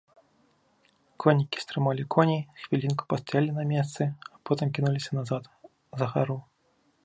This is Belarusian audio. Коннікі стрымалі коней, хвілінку пастаялі на месцы, а потым кінуліся назад, за гару.